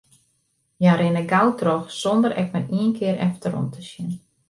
Hja rinne gau troch, sonder ek mar ien kear efterom te sjen.